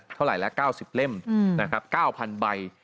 เท่าไหร่ละ๙๐เล่มนะครับ๙๐๐ใบ